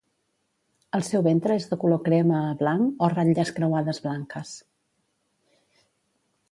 El seu ventre és de color crema a blanc o ratlles creuades blanques.